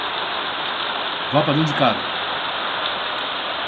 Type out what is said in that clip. Vá para dentro da casa